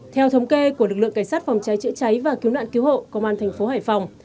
theo thống kê của lực lượng cảnh sát phòng cháy chữa cháy và cứu nạn cứu hộ công an thành phố hải phòng